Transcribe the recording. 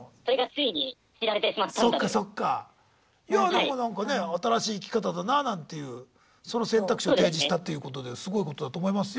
いやでもなんかね新しい生き方だななんていうその選択肢を提示したっていうことですごいことだと思いますよ。